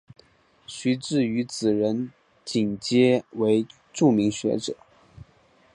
徐致愉子仁锦皆为著名学者。